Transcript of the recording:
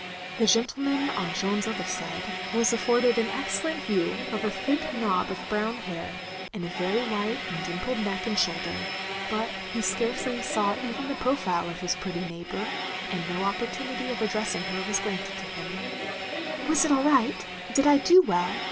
The gentleman on Jeanne's other side, was afforded an excellent view of a thick knob of brown hair, and a very white and dimpled neck and shotdder; but he scarcely saw even the profile of his pretty neighbour; and no opportunity of addressing her was granted to hiio^ 278 THE LONELY LADY "Was it aU right? Did I do well?"